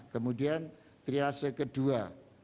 kemudian triase kedua